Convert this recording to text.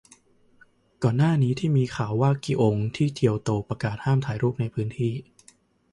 ก่อนหน้านี้ที่มีข่าวว่ากิองที่เกียวโตประกาศห้ามถ่ายรูปในพื้นที่